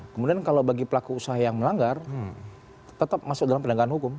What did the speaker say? kemudian kalau bagi pelaku usaha yang melanggar tetap masuk dalam penegakan hukum